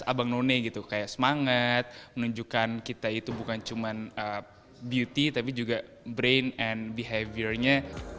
abang none gitu kayak semangat menunjukkan kita itu bukan cuman beauty tapi juga brain and behaviornya